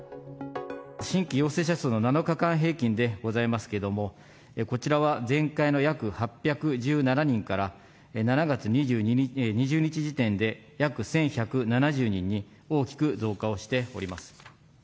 新規陽性者数の７日平均でございますけれども、こちらは前回の約８１７人から、７月２０日時点で約１１７０人に、大きく増加をしております。